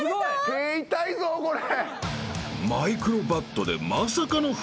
手痛いぞこれ。